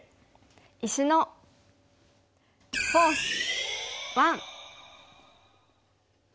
「石のフォース１」。